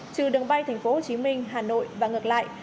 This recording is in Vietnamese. trừ đường bay tp hcm hà nội và ngược lại